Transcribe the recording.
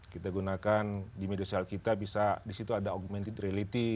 kita gunakan di media sosial kita bisa disitu ada augmented reality